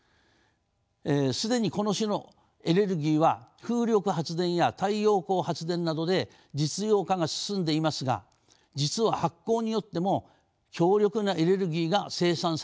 え既にこの種のエネルギーは風力発電や太陽光発電などで実用化が進んでいますが実は発酵によっても強力なエネルギーが生産されているのです。